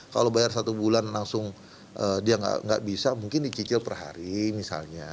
kalau bayar satu bulan langsung dia nggak bisa mungkin dicicil per hari misalnya